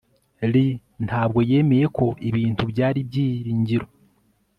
Lee ntabwo yemeye ko ibintu byari byiringiro